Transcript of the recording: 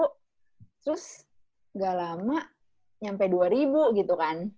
terus gak lama nyampe dua ribu gitu kan